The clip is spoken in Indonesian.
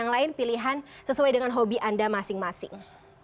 yang lain pilihan sesuai dengan hobi anda masing masing